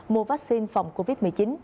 mua vaccine phòng covid một mươi chín